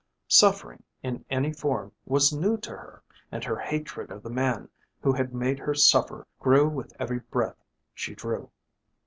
Suffering in any form was new to her, and her hatred of the man who had made her suffer grew with every breath she drew.